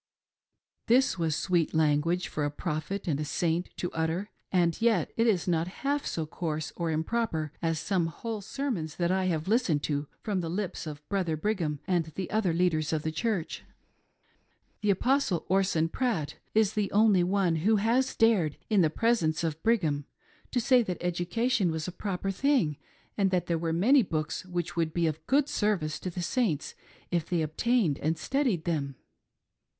This was sweet language for a Prophet and a Saint to utter, and yet it is not half so coarse or improper as some whole sermons that I have listened to from the lips of Brothei Brigham and the other leaders of the Church. The Apostle Orson Pratt is the only one who has dared, it* BROTHER BRIGHAM's IDEAS OF EDUCATION. 389 the presence of Brigham, to say that education was a proper thing, and that there were many books which would be of good service to the Saints, if they obtained and studied them.